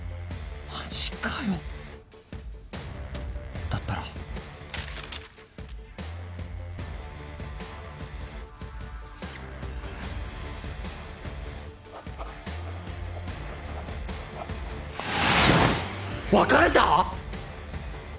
マジかよだったら別れた！？